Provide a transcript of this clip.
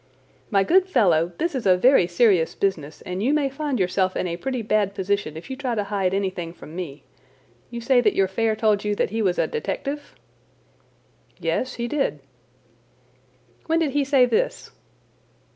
"My good fellow; this is a very serious business, and you may find yourself in a pretty bad position if you try to hide anything from me. You say that your fare told you that he was a detective?" "Yes, he did." "When did he say this?"